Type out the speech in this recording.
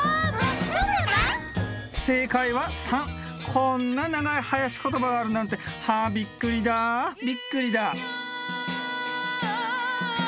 こんな長いはやしことばがあるなんてはあびっくりだびっくりだ「イーヤー」